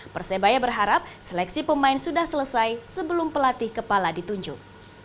persebaya berharap seleksi pemain sudah selesai sebelum pelatih kepala ditunjuk